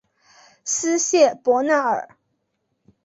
斯谢伯纳尔。